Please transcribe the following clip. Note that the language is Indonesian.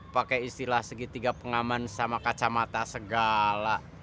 pakai istilah segitiga pengaman sama kacamata segala